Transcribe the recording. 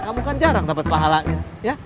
kamu kan jarang dapat pahalanya